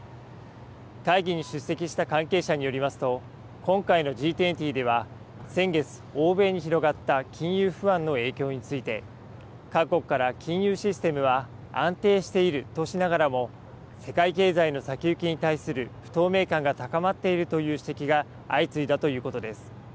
会議に出席した関係者によりますと、今回のＧ２０では先月、欧米に広がった金融不安の影響について、各国から金融システムは安定しているとしながらも、世界経済への先行きに対する不透明感が高まっているという指摘が相次いだということです。